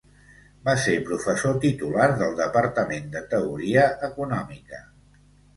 Va ser professor titular del Departament de Teoria Econòmica.